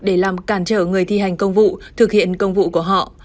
để làm cản trở người thi hành công vụ thực hiện công vụ của họ